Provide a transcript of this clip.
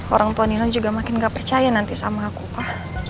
orang tua nino juga makin gak percaya nanti sama aku pa